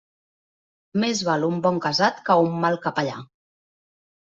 Més val un bon casat que un mal capellà.